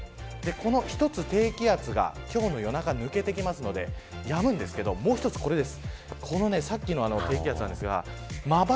この低気圧が今日の夜中抜けていきますのでやむんですけどもう一つこれです。